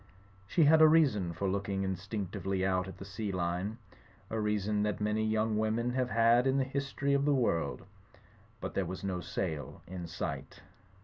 She had a reason for looking instinc tively out at the sea line; a reason that many young women have had in the history of the world. But there was no sail in sight.